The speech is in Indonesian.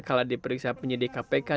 kala diperiksa penyidik kpk